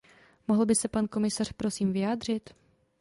Mohl by se pan komisař prosím vyjádřit?